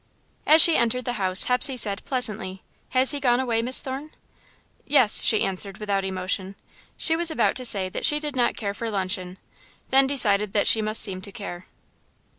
As she entered the house, Hepsey said, pleasantly: "Has he gone away, Miss Thorne?" "Yes," she answered, without emotion. She was about to say that she did not care for luncheon, then decided that she must seem to care.